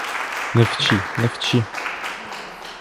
Не вчи, не вчи!